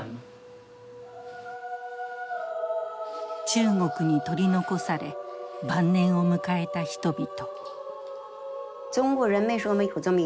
中国に取り残され晩年を迎えた人々。